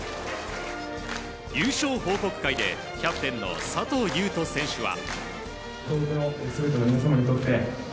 優勝報告会でキャプテンの佐藤悠斗選手は。